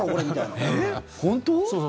本当？